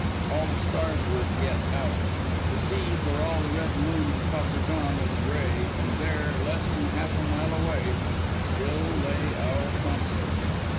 All the stars were yet out. The sea, for all the red moon and copper dawn, was gray, and there, less than half a mile away, still lay our consort.